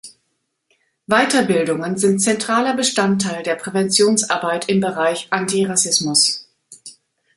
Weiterbildungen sind zentraler Bestandteil der Präventionsarbeit im Bereich Anti-Rassismus.